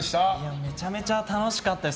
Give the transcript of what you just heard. めちゃめちゃ楽しかったです。